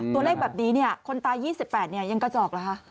ตัวเลขแบบนี้เนี่ยคนตาย๒๘เนี่ยยังกระจอกหรอฮะ